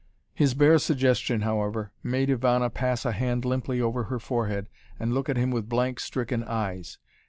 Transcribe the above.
His bare suggestion, however, made Ivana pass a hand limply over her forehead and look at him with blank, stricken eyes.